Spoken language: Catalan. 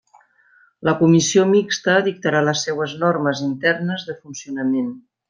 La Comissió Mixta dictarà les seues normes internes de funcionament.